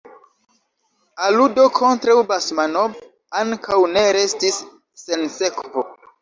Aludo kontraŭ Basmanov ankaŭ ne restis sen sekvo.